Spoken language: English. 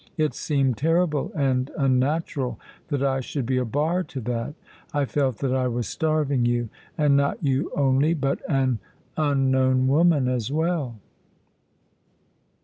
It seemed terrible and unnatural that I should be a bar to that. I felt that I was starving you, and not you only, but an unknown woman as well."